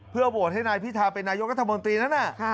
เพื่อโหวตให้นายพิทาเป็นนายกรรธมนตรีนะ